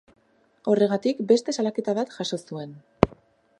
Horregatik beste salaketa bat jaso zuen.